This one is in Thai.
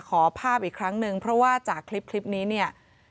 ขอภาพอีกครั้งหนึ่งเพราะว่าจากคลิปนี้เนี่ย